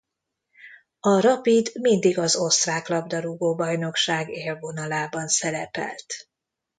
A Rapid mindig az osztrák labdarúgó-bajnokság élvonalában szerepelt.